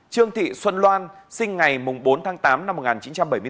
trương thị xuân loan sinh ngày bốn tháng tám năm một nghìn chín trăm bảy mươi bốn